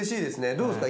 どうですか